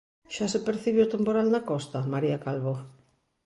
Xa se percibe o temporal na costa, María Calvo?